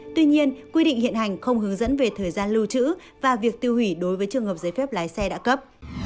tuy nhiên quy định hiện hành không hướng dẫn về thời gian lưu trữ và việc tiêu hủy đối với trường hợp giấy phép lái xe đã cấp